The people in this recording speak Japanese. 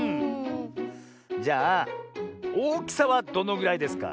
じゃあおおきさはどのぐらいですか？